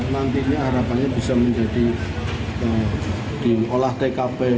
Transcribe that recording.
nanti ini harapannya bisa menjadi diolah tkp